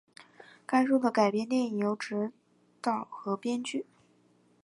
该书的改编电影由执导和编剧。